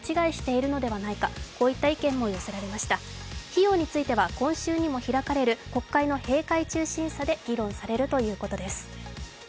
費用については今週にも開かれる国会の閉会中審査で議論されるということです。